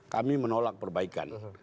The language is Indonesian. kami menolak perbaikan